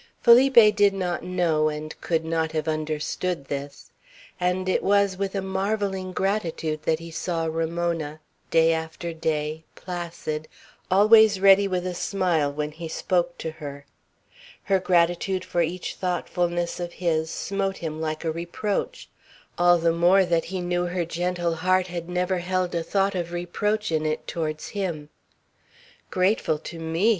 Felipe did not know and could not have understood this; and it was with a marvelling gratitude that he saw Ramona, day after day, placid, always ready with a smile when he spoke to her. Her gratitude for each thoughtfulness of his smote him like a reproach; all the more that he knew her gentle heart had never held a thought of reproach in it towards him. "Grateful to me!"